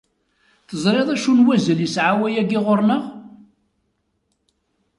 Teẓriḍ acu n wazal yesɛa wayagi ɣer-neɣ?